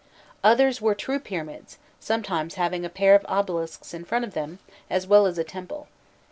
Others were true pyramids, sometimes having a pair of obelisks in front of them, as well as a temple.